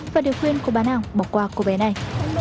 và điều khuyên của bán hàng bỏ qua cô bé này